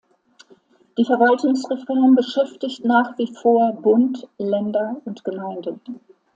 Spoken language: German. Die Verwaltungsreform beschäftigt nach wie vor Bund, Länder und Gemeinden.